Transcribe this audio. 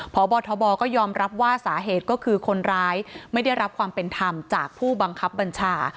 พบทบก็ยอมรับว่าสาเหตุก็คือคนร้ายไม่ได้รับความเป็นธรรมจากผู้บังคับบัญชา